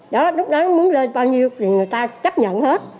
đó lúc đó muốn lên bao nhiêu thì người ta chấp nhận hết